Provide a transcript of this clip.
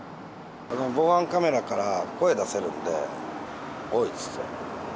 防犯カメラから声出せるんで、おい！って言って。